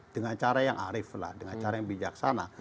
dengan cara yang arif lah dengan cara yang bijaksana